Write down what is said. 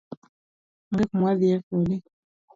Onge kumawadhie kodi.